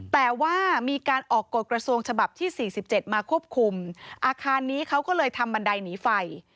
แต่ว่ามีการออกกฎกระทรวงฉบับที่๔๗มาควบคุมอาคารนี้เขาก็เลยทำบันไดหนีไฟ